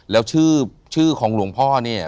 แล้วชื่อของหลวงพ่อเนี่ย